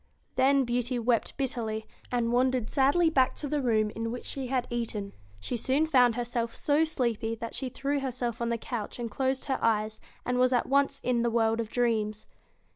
Then Beauty wept bitterly, and wandered sadly back to the room in which she had eaten. She soon found herself so sleepy that she threw her self on the couch and closed her eyes, and was at once in the world of dreams.